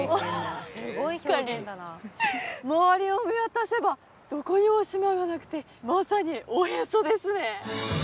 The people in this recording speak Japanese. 確かに周りを見渡せばどこにも島がなくてまさにおへそですね